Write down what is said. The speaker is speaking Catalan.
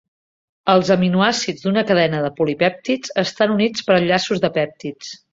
Els aminoàcids d'una cadena de polipèptids estan units per enllaços de pèptids.